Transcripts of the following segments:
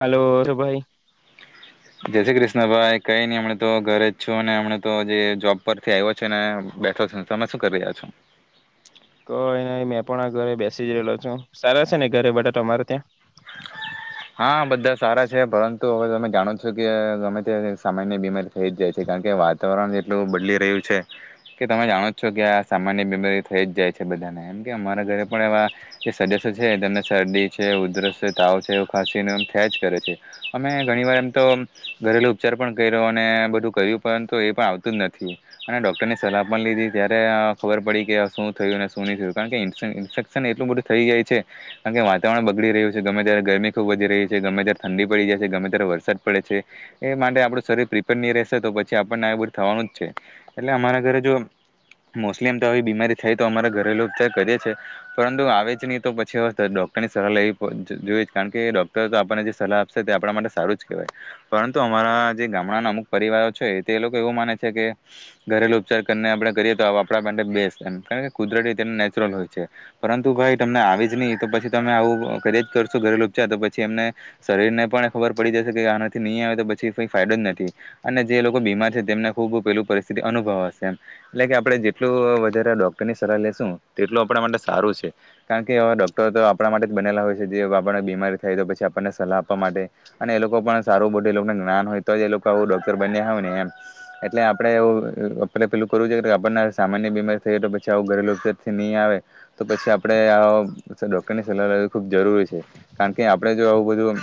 Hello શભાઈ. જય શ્રી કૃષ્ણ ભાઈ કઈ નહી હમમે તો ઘરે જ છું અને હમ તો જે જોબ પરથી આવ્યો છે બેઠો છેને અમે શું કરી રહ્યા છો? કઈ ની મેં પણ આ ઘરે બેસી જ રયલો છું સારા છે ને ઘરે બટા તમારે ત્યાં? હા બધા સારા છે પરંતુ હવે તમે જાણો છો કે અ ગમે ત સામાન્ય બીમારી થઈ જ જાય છે કારણ કે વાતાવરણ જેટલું બદલી રહ્યું છે કે તમે જાણો જ છો કે આ સામાન્ય બીમરી થઈ જ જાય છે, બધાને એમ કે અમારા ઘરે પણ એવા, જે સદસ્યો છે તમને શરદી છે ઉધરસ શે તાવ છે. ખાંસીનું એમ થયા જ કરે છે અમે ઘણીવાર એમ તો ઘરેલું ઉપચાર પણ કઈરો અને બધું કયું પરંતુ એ પણ આવતું જ નથી અને ડૉક્ટરની સલાહ પણ લીધી ત્યારે અ ખબર પડી કે શું થયું અને શું નહીં થયું કારણ કે ઇન્ફે ઇન્ફેક્શન એટલું બધું થઈ જાય છે કારણ કે વાતાવરણ બગડી રહ્યું છે, ગમે ત્યારે ગરમી ખૂબ વધી રહી છે ગમે ત્યારે ઠંડી પડી જાય છે ગમે ત્યારે વરસાદ પડે છે એ માટે આપડું શરીર પ્રિપેર ની રેશેતો પછી આપણને આય બધું થવાનું જ છે એટલે અમારા ઘરે જો મોસ્લી એમ તો આવી બીમારી થાય તો અમારા ઘરેલુ ઉપચર કરીયે છે પરંતુ આવે જ ની તો પછી હવે ત ડોક્ટરની સલાહ લેવી પ જ જોઈ- કારણ કે ડોક્ટરો તો આપણને જે સલાહ આપશે તે આપણા માટે સારું જ કહેવાય, પરંતુ અમારા જે ગામડાના અમુક પરિવારો છે તે એ લોકો એવું માને છે કે ઘરેલુ ઉપચાર કને આપણે કરીએ તો આપણા માટે બેસ્ટ એમ, કારણ કુદરતી તેમ નેચરલ હોય છે, પરંતુ ભાઈ તમને આવી જ નિહ, તો પછી તમે આવું કરીયે જ કર શું ઘરેલું ઉપચાર તો પછી એમને શરીરને પણ ખબર પડી જશે કે આનાથી નહીં આવે તો પછી કઈ ફાયદો જ નથી અને જે લોકો બીમાર છે તેમને ખુબ પેલું પરિસ્થિતિ અનુભવ હશે એમ એટલે કે આપડે જેટલું વધારે આ ડોક્ટર ની સલાહ લેશું તેટલું આપડા માટે સારું છે કારણ કે આવા ડોક્ટર તો આપડા માટે જ બનેલા હોય છે. જે આપણને બીમારી થાય તો પછી આપણને સલાહ આપવા માટે અને એ લોકો પણ સારું બોડે લોકોને જ્ઞાન હોય તો જ એ લોકો આવું ડોક્ટર બન્યા હોય ને એમ, એટલે આપણેે ઓ ઉં આપડે પેલું કરવું જોઈ કે આપણને સામાન્ય બીમારી થઈય તો પછી આવું ઘરેલુથી ની આવે, તો પછી આપડે અ ડોક્ટર ની સલાહ લેવી, ખૂબ જરૂરી કારણ કે આપડે જો આવું બધું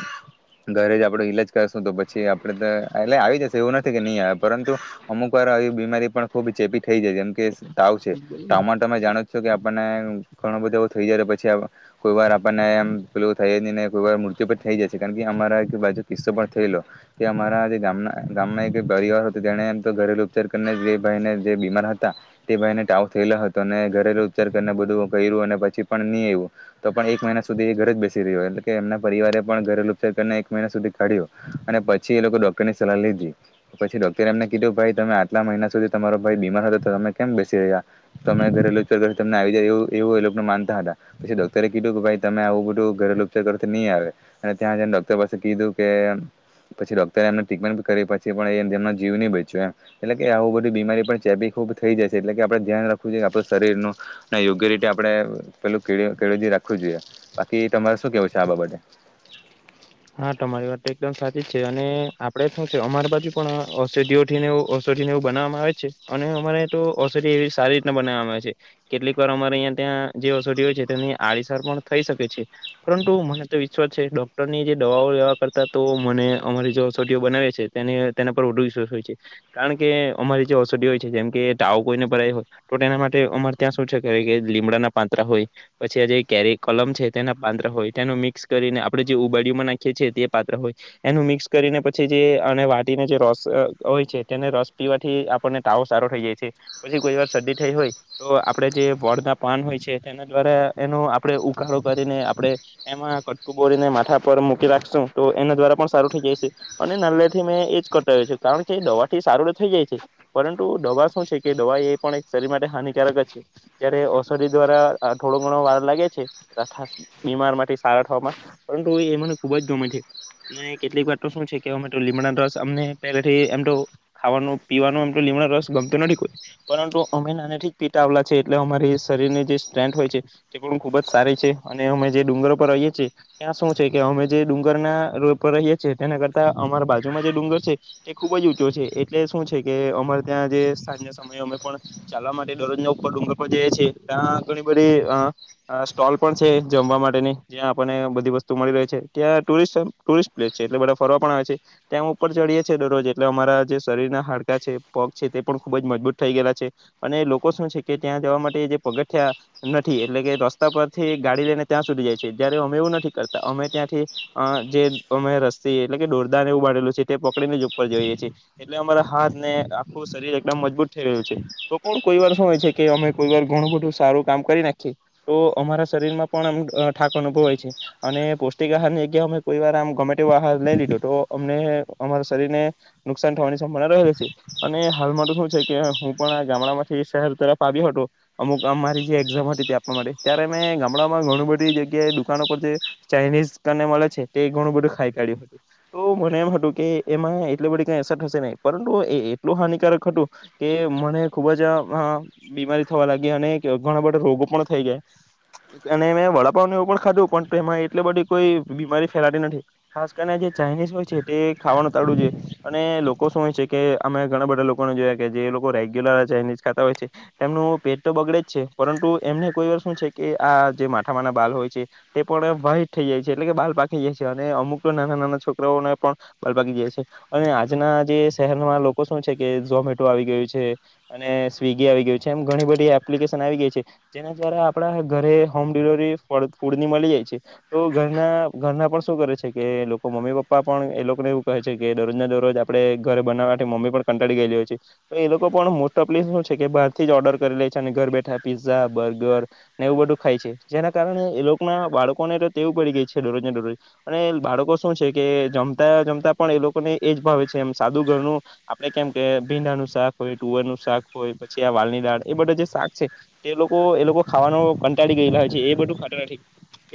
ઘરે જ આપડે ઈલાજ કરશું તો પછી આપડે એટલે આવી જશે એવું નથી કે નહી આવે, પરંતુ અમુક વાર આવી બીમારી પણ ખુબ ચેપી થઈ જાય જેમ કે તાવ છે, તાવમાં તમે જાણો જોકે આપણને ઘણું બધો એવું થઈ જાય તો પછી કોઈ વાર આપણને એમ પેલું થાયજ નીને કોઈવાર મૃત્યુ પણ થઈ જાય છે કારણ કે અમારા એક બાજુ કિસ્સો પણ થયેલો કે અમારા જે ગામના ગામમાં એક પરિવાર હતો તેને એમ તો ઘરેલુ ઉપચાર કરીને જે ભાઈને જે બીમાર હતા તે ભાઈ ને ટાવ થયેલા હતો, અને ઘરેલુ ઉપચાર કરીને બધું કઈરૂ અને પછી પણ ની આઈવું, તો પણ એક મહિના સુધી એ ઘરે જ બેસ રિઓ એટલે કે એમના પરિવારે પણ ઘરેલુ ઉપચાર કરીને એક મહિના સુધી કાઢ્યો અને પછી એ લોકો ડોક્ટરની સલાહ લીધી પછી ડોક્ટરે એમને કીધું ભાઈ તમે આટલા મહિના સુધી તમારો ભાઈ બીમાર હતો તો તમે કેમ બેસી રહ્યા તમે ઘરેલુ ઉપચાર આવી જાય એવ એવું એ લોકો માનતા હતા પછી ડોક્ટરે કીધું કે ભાઈ તમે આવું બધું ઘરેલુચાર કરથી નહીં આવે અને ત્યાં જન ડોક્ટર પાસે કીધું કે એમ પછી ડોક્ટરે એમને ટ્રીટમેન્ટ કરી પછી પણ એ જેમનો જીવ નહી બચ્યો એમ, એટલે કે આવું બધી બીમારી પણ ચેબી ખૂબ થઈ જાય છે એટલે કે આપડે ધ્યાન રાખવું જોઈએ કે આપણું શરીરનું, યોગ્ય રીતે આપડે પેલું કેળ કેળવજી રાખવું જોઈએ, બાકી તમારે શું કેવું છે આ બાબતે? હા તમારી વાત તો એકદમ સાચી જ છે અને આપડે શું છે અમારા બાજુ પણ ઔષધિઓથીને એવ ઔષધિ ને એવું બનાવવામાં આવે છે અને અમારે તો ઔષધિ એવી સારી રીતના બનાવવામાં આવે છે કેટલીક વાર અમારે અહીંયા ત્યાં જે ઔષધિ હોય છે તેની આડીસર પણ થઈ શકે છે પરંતુ મને તો વિશ્વાસ છે ડોક્ટરની જે દવાઓ લેવા કરતાં તો મને અમારી જે ઔષધિઓ બનાવે છે તેને તેના પર વધુ વિશ્વાસ હોય છે કારણ કે અમારી જે ઔષધિઓ હોય છે જેમ કે ટાવ કોઈને ભરાય હોય તો તેના માટે અમારે ત્યાં શું છે કે કે લીમડાના પાંતરા હોય પછી આ જે કેરી કલમ છે તેના પાંતરા હોય તેનું મિક્સ કરીને આપડે જે ઉબેટ એમા નાખીએ છીએ તે પાત્ર હોય એનું મિક્સ કરીને પછી જે અને વાટીને જે રસ અ હોય છે તેને રસ પીવાથી આપણને તાવો સારો થઈ જાય છે પછી કોઈ વાર શરદી થઈ હોય તો આપણે જે વળ ના પાન હોય છે તેના દ્વારા એનો આપણે ઉકાળો કરીને આપણે એમાં કટકુ બોરીને માથા પર મૂકી રાખશું તો એના દ્વારા પણ સારું થઈ જાય છે. અને નાલ્લે થી મેં એ જ કરતો આયો છું કારણ કે દવા થી સારું થઈ જાય છે પરંતુ દવા શું છે કે દવા એ પણ એક શરીર માટે હાનિકારક જ છે જય્યારે ઔષધિ દ્વારા અ થોડો ઘણો વાર લાગે છે. બીમાર માંથી સારા થવામાં પણ તો એ મને ખુબ જ ગમે છે. અને કેટલીક વાત તો શું છે કે અમે લીમડા રસ અમને પહેથી એમ તો ખાવાનું પીવાનો એમ લીમડા રસ ગમતો નથી પરંતુ અમે નાનાથી જ પીતા આવલા છે એટલે અમારી શરીર ની જે સ્ટ્રેન્થ હોય છે તે પણ ખુબ જ સારી છે અને અમે જે ડુંગરો પર રહીએ છીએ ત્યાં શું છે કે અમે જે ડુંગરના રોડ પર રહીએ છીએ તેના કરતા અમારા બાજુમાં જે ડુંગર છે તે ખુબ જ ઊંચો છે એટલે શું છે કે અમારે ત્યાં જે સાંજના સમયે અમે પણ ચાલવા માટે દરરોજના ઉપર ડુંગર પર જઈએ છીએ ત્યાં ઘણી બધી અ સ્ટોલ પણ છે જમવા માટેની જ્યાં આપને બધી વસ્ તું મળી રહે છે. ત્યાં ટુઈસમ ટુરિસ્ટ પ્લેસ છે એટલે બધા ફરવા પણ આવે છે ત્યાં ઉપર ચડીએ છીએ દરરોજ એટલે અમારા જે શરીરના હાડકા છે પગ છે તે પણ ખુબ જ મજબૂત થઈ ગયેલા છે અને લોકો શું છે કે ત્યાં જવા માટે જે પગથિયા નથી એટલે કે રસ્તા પરથી ગાડી લઈને ત્યાં સુધી જાય છે જય્યારે અમે એવું નથી કર ત અમે ત્યાંથી અ જે અમે રસ્સી એટલે કે દોરદાને એવું બાડેલું છે તે પકડીને જ ઉપર જઈએ છીએ એટલે અમારા હાથ ને આખું શરીર એકદમ મજબૂત થઈ રહ્યું છે તો પણ કોઈ વાર શું હોય છે કે અમે કોઈ વાર ઘણું બધું સારું કામ કરી નાખીએ તો અમારા શરીર માં પણ અમ અ ઠાક અનુભવાય છે. અને પોસ્ટીક આહાર ની જગ્યા અમે કોઈ વાર આમ ગમે તેવો આહાર લઈ લીધો તો અમને અમારા શરીરને નુકસાન થવાની સંભાવના રહેલી છે અને હાલમાં તો શું છે કે હું પણ આ ગામડા માંથી શહેર તરફ આવ્યો હતો અમુક આ મારી જે એક્ઝામ હતી તે આપવા માટે ત્યારે મેં ગામડામાં ઘણી બધી જગ્યાએ દુકાનો પર જે ચાઈનીઝ કનેમળે છે તે ઘણું બધું ખાઈ કાઢ્યું હતું તો મને એમ હતું કે એમાં એટલી બધી કઈ અસર થશે નહી પરંતુ એ એટલું હાનિકારક હતું કે મને ખુબ જ અ બીમારી થવા લાગી અને ઘણા બધા રોગો પણ થઈ ગયા અને મેં વડાપાવને એવું પણ ખાધું પણ તેમા એટલી બધી કોઈ બીમારી ફેલાતી નથી ખાસ કરીને જે ચાઇનીઝ હોય છે તે ખાવાનું તાડવું જોઈએ અને લોકો શું હોય છે કે અમે ઘણા બધા લોકોને જોયા કે જે લોકો રેગ્યુલર ચાઇનીઝ ખાતા હોય છે તેમનું પેટ તો બગડે જ છે પરંતુ એમને કોઈ વાર શું છે કે આ જે માથામાંના બાલ હોય છે તે પણ વાઇટ થઈ જાય છે એટલે કે બાલ પાકી જાય છે અને અમુક તો નાના-નાના છોકરાઓને પણ બાલ પાકી જાય છે. અને આજના જે શહેરમાં લોકો શું છે કે ઝોમેટો આવી ગયું છે અને સ્વીગી આવી ગયું છે એમ ઘણી બધી એપ્લિકેશન આવી ગઈ છે જેના દ્વારા આપડા ઘરે હોમ ડિલિવરી ફળ ફૂડની મલી જાય છે. તો ઘરના ઘરના પણ શું કરે છે કે લોકો મમ્મી પપ્પા પણ એ લોકોને એવું કહે છે કે દરરોજ ના દરરોજ આપડે ઘરે બનાવાથી મમ્મી પણ કંટાળી ગયેલી હોય છે તો એ લોકો પણ મોસ્ટ ઓપલી શું છે કે બારથી જ ઓર્ડર કરી લે છે અને ઘર બેઠા પીઝા બર્ગર ને એવું બધું ખાય છે જેના કારણે એ લોકના બાળકોને ટેવ પડી ગઈ છે. દરોજને દરરોજ અને બાળકો શું છે કે જમતા જમતા પણ એ લોકોને એજ ભાવે છે એમ સાદુ ઘરનું આપડે કેમ કે ભીંડાનું શાક હોય તુવેરનું શાક હોય પછી આ વાલની દાળ એ બધું જે શાક છે તે લોકો એ લોકો ખાવાનો કંટાળી ગયેલા હોય છે એ બધું ખાતા નથી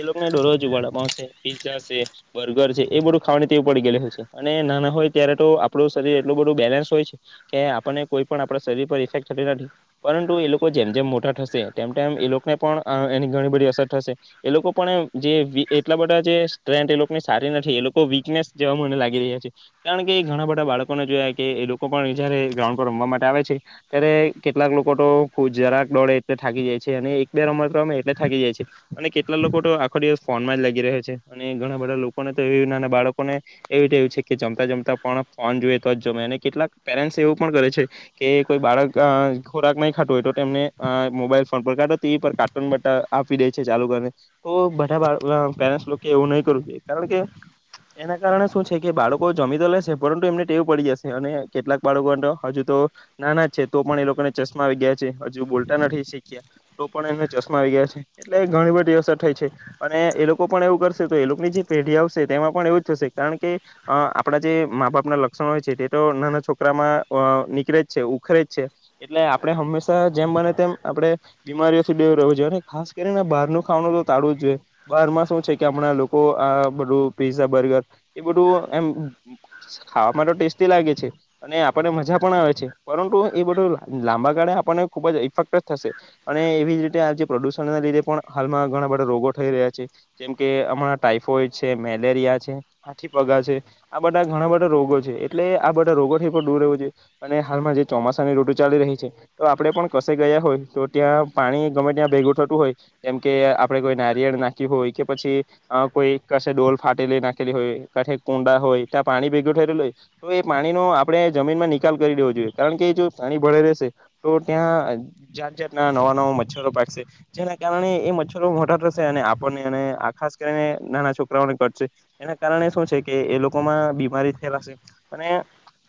એ લોક ને દરરોજ વડાપાવ શે, પીઝા શે, બર્ગર છે એ બધું ખાવાની તેવું પડી ગએલી હશે. અને નાના હોય ત્યારે તો આપણું શરીર એટલું બધું બેલેન્સ હોય છે કે આપણને કોઈ પણ આપણા શરીર પર ઇફેક્ટ થતી નથી પરંતુ એ લોકો જેમ-જેમ મોટા થશે તેમ-તેમ એ લોકોને પણ અ એની ઘણી બધી અસર થશે એ લોકો પણ એ જે વી એટલા બધા જે સ્ટ્રેન્થ એ લોકોની સારી નથી એ લોકો વીકનેસ જેવા મને લાગી રહ્યા છે કારણ કે ઘણા બધા બાળકોને જોયા કે એ લોકો પણ જયારે ગ્રાઉન્ડ પર રમવા માટે આવે છે ત્યારે કેટલાક લોકો તો ખુ જરાક દોડે એટલે થાકી જાય છે અને એક બે રમત રમે એટલે થાકી જાય છે અને કેટલા લોકો તો આખો દિવસ ફોન માં જ લાગી રહે છે અને ઘણા બધા લોકોને તો એ બાળકોને એવી ટેવ છે કે જમતા જમતા પણ ફોન જોઈ તો જ જમે અને કેટલાક પેરેન્ટસ એવું પણ કરે છે કે કોઈ બાળક અ ખોરાક નહી ખાતું હોય તો તેમને અ મોબાઈલ ફોન પર કાટો ટીવી પર કાર્ટૂન બટા આપી દે છે ચાલુ કરીને તો બ [unintelligible] પેરેન્સ લોકો એવું નઈ કરુ જોઈએ કારણ કે એના કારણે શું છે કે બાળકો જમીતો લેશે પરંતુ એમને ટેવું પડી જશે અને કેટલાક બાળકો તો હજુ તો નાના જ છે તો પણ એ લોકોને ચશ્મા આવી ગયા છે હજુ બોલતા નથી શીખ્યા તો પણ એને ચશ્મા આવી ગયા છે એટલે ઘણી બધી અસર થઈ છે. અને એ લોકો પણ એવું કરશે તો એ લોકોની જે પેઢી આવશે તેમાં પણ એવું જ થશે કારણ કે અ આપણા જે મા બાપના લક્ષણ હોય છે તે તો નાના છોકરામાં ઓઅ નીકળે જ છે ઉખરે જ છે એટલે આપણે હંમેશા જેમ બને તેમ આપડે બીમારીઓથી દેવ રહેવું જોઈએ અને ખાસ કરીને બહારનું ખાવાનું તો તાળવું જ જોઈએ. બારમાં શું છે કે આપણા લોકો આ બધું પીઝા, બર્ગર એ બધું એમ ઉમ્મ ઉ ખાવા માટે ટેસ્ટી લાગે છે અને આપણને મજા પણ આવે છે પરંતુ એ બધું લા લાંબા ગાળે આપણને ખુબ જ ઇફેક્ટ જ થશે અને એવી જ રીતે આ જે પ્રદુષણ ના લીધે પણ હાલમાં ઘણા બધા રોગો થઈ રહ્યા છે. જેમ કે હમણાં ટાઈફોઇડ છે, મેલેરિયા છે હાથી પગા છે, આ બધા ઘણા બધા રોગો છે એટલે આ બધા રોગો થી પણ દૂર રહેવું જોઈએ અને હાલમાં જે ચોમાસાની ઋતુ ચાલી રહી છે તો આપડણે પણ કસે ગયા હોય તો ત્યાં પાણી ગમે ત્યાં ભેગું થતું હોય જેમકે આપણે કોઈ નારિયેળ નાખ કે હોય કે પછી અ કોઈ કસે ડોલ ફાટેલી નાખેલી હોય કઠે કુંડા હોય ત્યાં પાણી ભેગું થઈ રયલું હોય તો એ પાણીનો આપણે જમીનમાં નિકાલ કરી દેવો જોઈએ કારણ કે જો પાણી ભરાઈ રહેશે તો ત્યાં જાત જાતના નવા-નવા મચ્છરો પાકશે જેના કારણે એ મચ્છરો મોટા થસે અને આપ આપણને અને આ ખાસ કરીને નાના છોકરાઓને કડશે એના કારણે શું છે કે એ લોકોમાં બીમારી ફેલાશે અને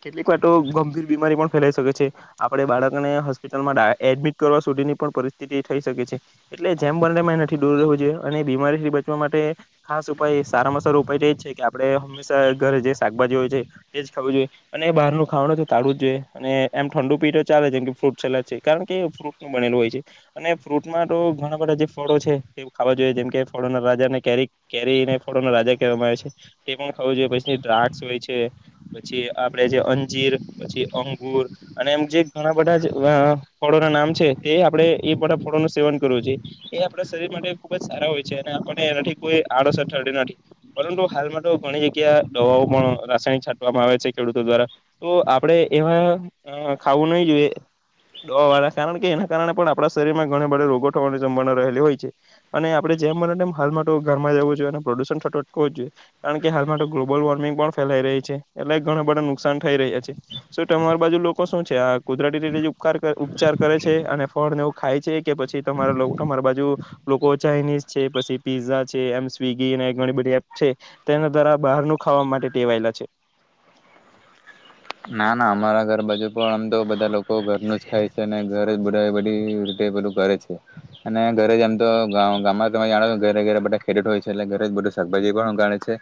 કેટલીક વાતો ગંભીર બીમારી પણ ફેલાઈ શકે છે આપડે બાળકને હોસ્પિટલમાં દા એડમિટ કરવા સુધીની પણ પરિસ્થિતિ થઈ શકે છે એટલે જેમ બંને મે એ નથી દૂર રહેવું જોઈએ. અને બીમારીથી બચવા માટે ખાસ ઉપાય સારા મા સારો ઉપાય તો એ જ છે કે આપડે હંમેશા ઘરે જે શાકભાજી હોય છે એ જ ખાવું જોઈએ અને એ બહારનું ખાવાનું તો તાળવું જ જોઈએ અને એમ ઠંડુ પી તો ચાલે છે જેમ કે ફ્રૂટ સલાટ છે કારણ કે ફ્રૂટનું બનેલું હોય છે અને ફ્રૂટમાં તો ઘણા બધા જે ફળો છે તે ખાવા જોઈએ જેમ કે ફળોના રાજાને કેરી કેરીને ફળોના રાજા કહેવામાં આવે છે. તે પણ ખાઉં જોઈએ પછી દ્રાક્ષ હોય છે પછી આપડે જે અંજીર પછી અંગુર અને એમ જે ઘણા બધા જ અ ફળોના નામ છે તે આપણેે એ બધા ફળોનું સેવન કરવું જોઈએ એ આપણા શરીર માટે ખૂબ જ સારા હોય છે અને આપણને એનાથી કોઈ આડઅસર થતી નથી પરંતુ હાલમાં તો ઘણી જગ્યા દવાઓ પણ રાસાયણિક છાંટવામાં આવે છે ખેડૂતો દ્વારા તો આપણે એવા અ ખાવું નઈ જોઈએ દવા વાળા કારણ કે એના કારણે પણ આપણા શરીરમાં ગણે બધે રોગો થવાની સંભાવના રહેલી હોય છે. અને આપડે જેમ બને તેમ હાલમાં તો ઘરમાં જ રેઉ જોઈએ અને પ્રદુષણ થતઅટકવું જ જોઈએ કારણ કે હાલમાં ગ્લોબલ વોર્મિંગ પણ ફેલાઈ રહી છે, એટલે ઘણા બધા નુકસાન થઈ રહ્યા છે, શું તમારી બાજુ લોકો શું છે આ કુદરતી રીતે ઉપકાર કરે ઉપ ચાર કરે છે અને ફળને એઉ ખાય છે કે પછી તમારે લવ તમારી બાજુ લોકો ચાઇનીઝ છે પશી પીઝા છે એમ સ્વિગી અને ઘણી બધી એપ છે તેના દ્વારા બહારનું ખાવા માટે ટેવાયેલા છે? ના ના અમારા ઘર બાજુ પણ આમ તો બધા લોકો ઘરનું જ ખાય છે ને ઘર જ બધા બધી બધું ઘે છે અને ઘરે જ એમ તો ગામમાં તમે જાણોો ઘરે ઘરે બધા ખેતો હોય છે, એટલે ઘરે જ બધું શાકભાજી પણ ગાળે છે,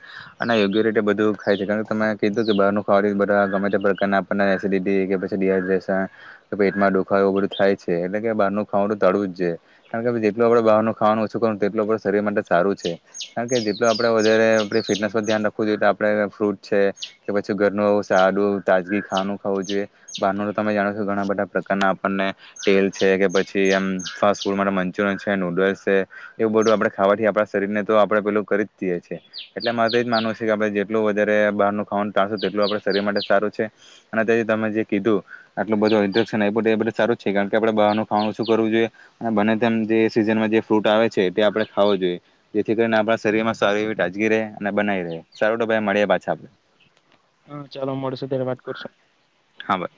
અને યોગ્ય રીતે બધું ખાય છે કારણ તમે કીધું કે બારું ખાવાનું બધા ગમે જે પ્રકારના આપણને એસિડિટી કે પછી ડિહાઈડ્રેશન કે પેટમાં દુખાવ, એવું બધું થાય છે એટલે કે બહારનું ખાવાનું તો તળું જ છે, કારણ કે જેટલું આપણે બહારનું ખાવાનું ઓછું કરું તેટલું આપણું શરીર માટે સારું છે, કારણ કે જેટલું આપણે વધારે આપણી ફિટનેસ પર ધ્યાન રાખવું જોઈએ તો આપણે ફ્રૂટ છે, કે પછી ઘરનું એવું સાડું. તાજગી ખાવાનું ખાવું જોઈએ બહારનું તો તમે જાણો છો, કે ઘણા બધા પ્રકારના આપણને તેલ છે, કે પછી એમ ફાસ્ટ ફૂડ માટે મંચુરિયન છે, નૂડલ્સ છે એવું બધું આપણે ખાવાથી આપણા શરીરને તો આપણે પેલું કરી જઈએ છીએ એટલે મારે તો એ જ માનવું છે, કે આપણે જેટલું વધારે બહારનું ખાવાનું ટ્રાશું તેટલું આપણા શરીર માટે સારું અને તેથી તમે જે કીધું આટલું બધું ન્ફેશન બધું સારું છે, કારણ કે આપણે બહારનું ખાવાું શું કરવું જોઈએ અને બને તેમ જે સીઝનમાં જે ફ્રૂટ આવે છે, તે આપણે ખો જોઈએ જેથી કરીને આપણા શરીરમા સારી એવી તાજગી રહે, અને બનાવી રહે સારું ભાઈ મળ્યા પાછા આપ હા, ચાલો મળસ ધન્યવાદ કરશો. હા, બ